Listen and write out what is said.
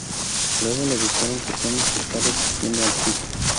Luego le dijeron que Tony se está resistiendo al chip.